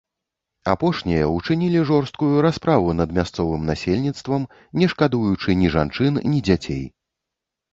Апошнія ўчынілі жорсткую расправу над мясцовым насельніцтвам, не шкадуючы ні жанчын, ні дзяцей.